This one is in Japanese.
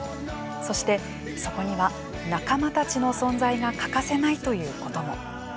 そしてそこには仲間たちの存在が欠かせないということも。